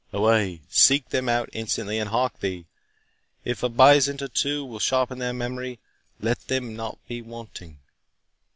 "Away, seek them out instantly—and hark thee, if a byzant or two will sharpen their memory, let them not be wanting."